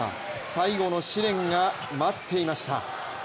最後の試練が待っていました。